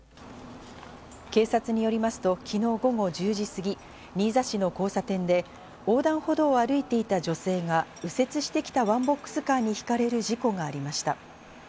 警察によりますと昨日午後１０時過ぎ、新座市の交差点で横断歩道を歩いていた女性が右折してきたワンボックスカーにひかれる事故がありました。